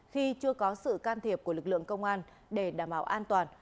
khi chưa có sự can thiệp của lực lượng công an để đảm bảo an toàn